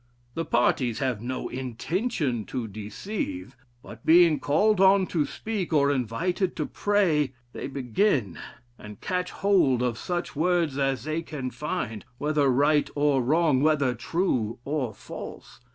The parties have no intention to deceive: but being called on to speak, or invited to pray, they begin, and catch hold of such words as they can find, whether right or wrong, whether true or false.